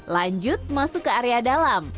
lanjut masuk ke area dalam